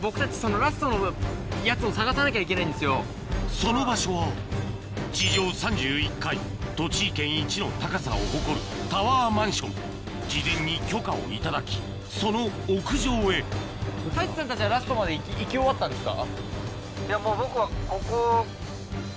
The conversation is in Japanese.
その場所は地上３１階栃木県いちの高さを誇るタワーマンション事前に許可を頂きその屋上へ太一さんたちはラストまで行き終わったんですか？